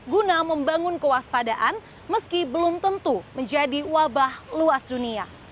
guna membangun kewaspadaan meski belum tentu menjadi wabah luas dunia